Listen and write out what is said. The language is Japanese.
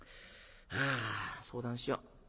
あ相談しよう。